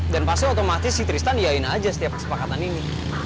dan pasti otomatis si tristan diayain aja setiap kesepakatan ini